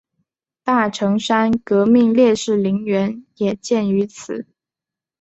大城山革命烈士陵园也建于此。